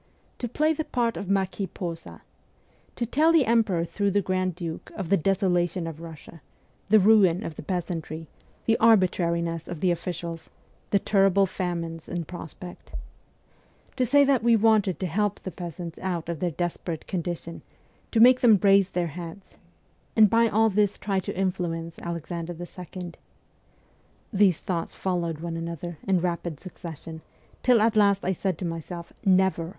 To play the part of Marquis Posa ? To tell the emperor through the grand duke of the desolation of Russia, the ruin of the peasantry, the arbitrariness of the officials, the terrible famines in prospect ? To say that we wanted to help the peasants out of their desperate condition, to make them raise their heads and by all this try to influence Alexander II.? These thoughts followed one another in rapid succession, till at last I said to myself :' Never